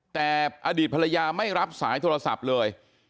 แต่อดีตภรรยาไม่รับสายโทรศัพท์เลย